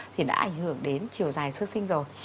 thì đã ảnh hưởng đến chiều dài sơ sinh rồi